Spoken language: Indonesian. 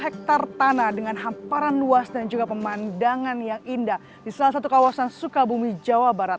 tiga hektare tanah dengan hamparan luas dan juga pemandangan yang indah di salah satu kawasan sukabumi jawa barat